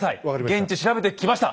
現地調べてきました。